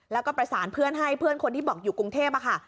แล้วก็ประสานเพื่อนให้เพื่อนคนที่บอกอยู่กรุงเทพค่ะ